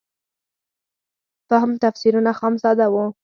فهم تفسیرونه خام ساده وو.